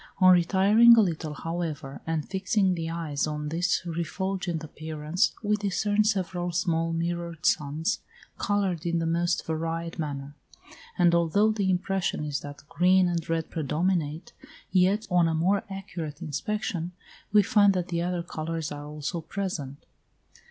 On retiring a little, however, and fixing the eyes on this refulgent appearance, we discern several small mirrored suns, coloured in the most varied manner; and although the impression is that green and red predominate, yet, on a more accurate inspection, we find that the other colours are also present.